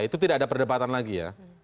itu tidak ada perdebatan lagi ya